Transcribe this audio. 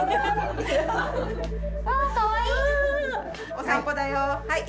お散歩だよ！